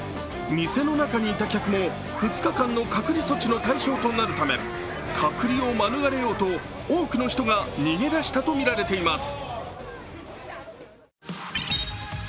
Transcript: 店の中にいた客も２日間の隔離措置の対象となるため、隔離を免れようと多くの人が逃げ出したとみられています。